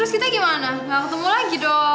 kita gimana ga ketemu lagi dong